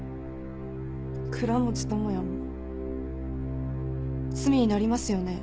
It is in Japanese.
倉持智也も罪になりますよね？